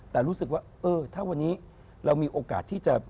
แต่รู้สึกว่าเออถ้าวันนี้เรามีโอกาสที่จะ